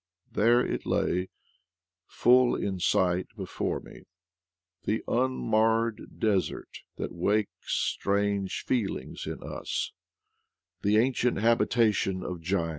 There it lay full in sight be fore me — the unmarred desert that wakes strange feelings in us; the ancient habitation of giants, AT LAST, PATAGONIA